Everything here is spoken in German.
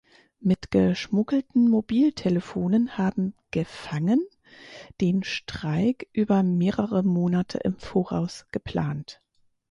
Mit geschmuggelten Mobiltelefonen haben Gefangen den Streik über mehrere Monate im Voraus geplant.